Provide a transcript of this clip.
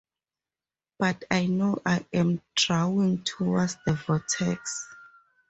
But I know I am drawing towards the vortex.